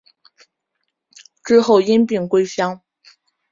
之后因病归乡。